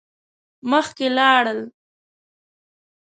مخکی لاړل.